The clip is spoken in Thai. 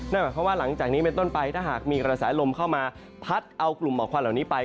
นั่นหมายความว่าหลังจากนี้เป็นต้นไปถ้าหากมีกระแสลมเข้ามาพัดเอากลุ่มหมอกควันเหล่านี้ไป